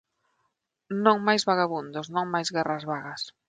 Non máis vagabundos, non máis guerras vagas.